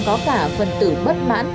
mà còn có cả phần tử bất mãn